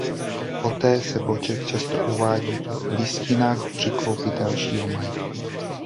Poté se Boček často uvádí v listinách při koupi dalšího majetku.